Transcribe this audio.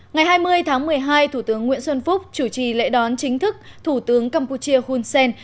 ngày hai mươi tháng một mươi hai thủ tướng nguyễn xuân phúc chủ trì lễ đón chính thức thủ tướng campuchia hun sen